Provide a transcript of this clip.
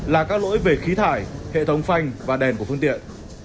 là các lỗi về khí thải hệ thống phanh và đèn của phương tiện